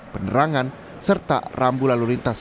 penerangan serta rambu lalu lintas